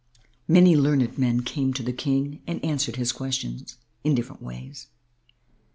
Many learned men came to the King and answered his questions in different ways.